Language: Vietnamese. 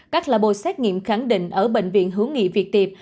các labo xét nghiệm khẳng định ở bệnh viện hữu nghị việt tiệp